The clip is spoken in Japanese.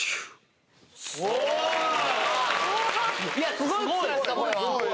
すごいことじゃないですかこれは。